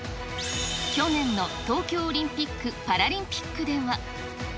去年の東京オリンピック・パラリンピックでは。